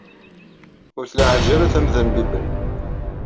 Ur tlaɛaj ara tamda n bibel!